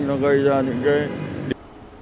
nó gây ra những cái